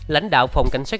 lãnh đạo phòng cảnh sát